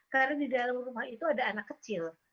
karena di dalam rumah itu ada anak kecil